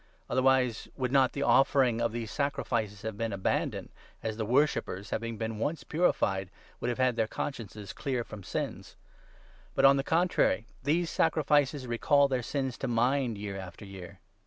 Otherwise, 2 would not the offering of these sacrifices have been abandoned, as the worshippers, having been once purified, would have had their consciences clear from sins ? But, on the 3 contrary, these sacrifices recall their sins to mind year after year.